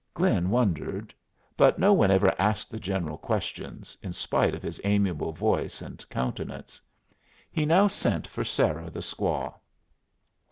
Glynn wondered; but no one ever asked the General questions, in spite of his amiable voice and countenance. He now sent for Sarah the squaw.